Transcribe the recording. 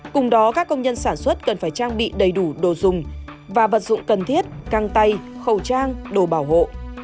cùng đó các công nhân sản xuất cần phải trang bị đầy đủ đồ dùng và vật dụng cần thiết găng tay khẩu trang đồ bảo hộ